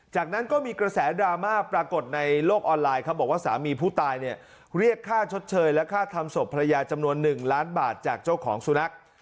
จากนั้นก็มีกระแสดราม่าปรากฏในโลกออนไลน์ครับบอกว่าสามีผู้ตายเนี่ยเรียกค่าชดเชยและค่าทำศพภรรยาจำนวน๑ล้านบาทจากเจ้าของสุนัข